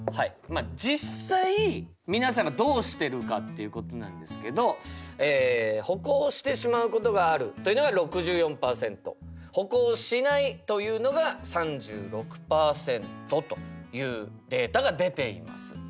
まあ実際皆さんがどうしてるかっていうことなんですけど歩行してしまうことがあるというのが６４％歩行しないというのが３６％というデータが出ています。